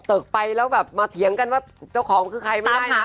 ตึกไปแล้วแบบมาเถียงกันว่าเจ้าของคือใครไม่ได้นะ